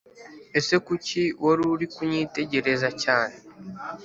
Ese kuki waruri kunyitegereza cyane